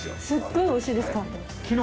すっごいおいしいですか？